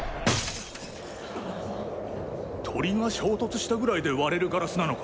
鳥が衝突したぐらいで割れるガラスなのか？